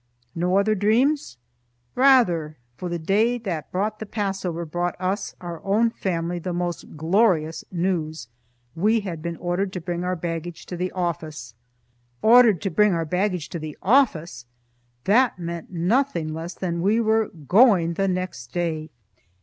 No other dreams? Rather! For the day that brought the Passover brought us our own family the most glorious news. We had been ordered to bring our baggage to the office! "Ordered to bring our baggage to the office!" That meant nothing less than that we were "going the next day!"